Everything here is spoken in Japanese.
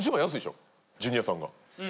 ジュニアさんが。